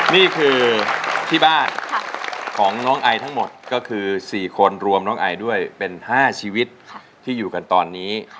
นี่คือที่บ้านของน้องไอทั้งหมดก็คือ๔คนรวมน้องไอด้วยเป็น๕ชีวิตที่อยู่กันตอนนี้